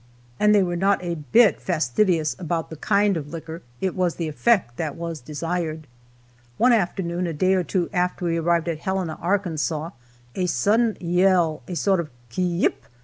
And they were not a bit fastidious about the kind of liquor, it was the effect that was desired. One afternoon, a day or two after we arrived at Helena, Arkansas, a sudden yell, a sort of "ki yip!"